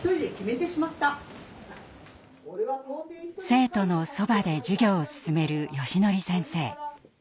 生徒のそばで授業を進めるよしのり先生。